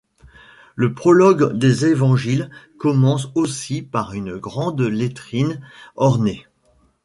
Le prologue des évangiles commence aussi par une grande lettrine ornée.